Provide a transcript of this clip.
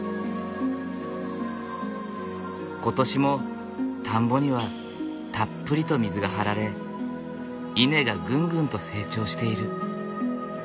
今年も田んぼにはたっぷりと水が張られ稲がぐんぐんと成長している。